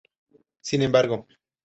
Sin embargo.